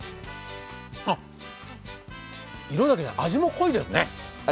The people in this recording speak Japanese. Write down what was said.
あっ、色だけじゃない、味も濃いですね。